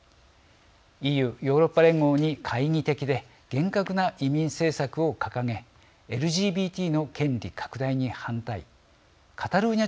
ＥＵ＝ヨーロッパ連合に懐疑的で厳格な移民政策を掲げＬＧＢＴの権利拡大に反対カタルーニャ